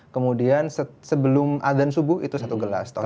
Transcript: kemudian sebelum azan subuh itu satu gelas